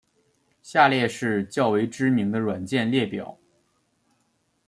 下列是较为知名的软件列表。